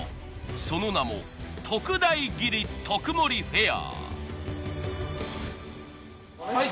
その名も特大切り・特盛フェア。